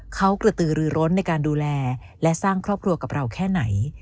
เขากระตือรือร้นในการดูแลและสร้างครอบครัวกับเราแค่ไหน